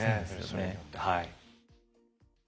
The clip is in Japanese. それによってはい。